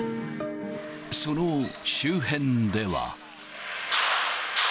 その周辺では。